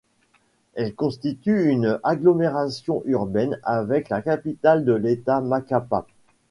Elle constitue une agglomération urbaine avec la capitale de l'État, Macapá.